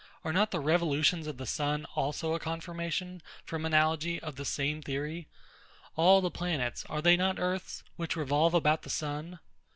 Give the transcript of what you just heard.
Are not the revolutions of the sun also a confirmation, from analogy, of the same theory? All the planets, are they not earths, which revolve about the sun?